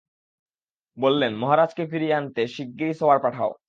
বললেন, মহারাজকে ফিরিয়ে আনতে শিগগির সওয়ার পাঠাও।